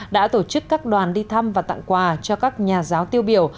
đã tổ chức các đoàn đi thăm và tặng quà cho các nhà giáo tiêu biểu